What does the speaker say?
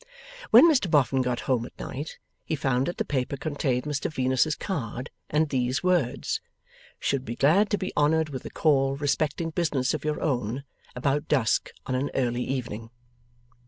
When Mr Boffin got home at night he found that the paper contained Mr Venus's card and these words: 'Should be glad to be honoured with a call respecting business of your own, about dusk on an early evening.